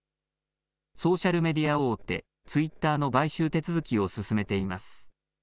ソーシャルメディア大手、ツイッターの買収手続きを進めています。